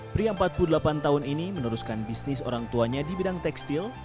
pria empat puluh delapan tahun ini meneruskan bisnis orang tuanya di bidang tekstil